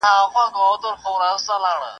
ژوندون نوم د حرکت دی هره ورځ چي سبا کیږي !.